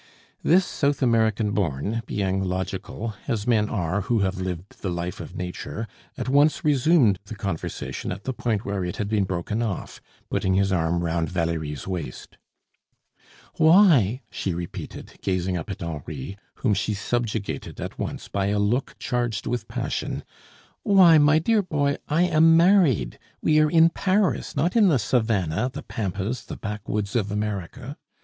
This South American born, being logical, as men are who have lived the life of nature, at once resumed the conversation at the point where it had been broken off, putting his arm round Valerie's waist. "Why?" she repeated, gazing up at Henri, whom she subjugated at once by a look charged with passion, "why, my dear boy, I am married; we are in Paris, not in the savannah, the pampas, the backwoods of America.